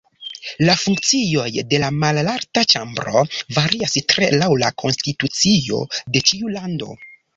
La funkcioj de la Malalta ĉambro varias tre laŭ la konstitucio de ĉiu lando.